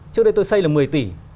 trước đây tôi xây là một mươi tỷ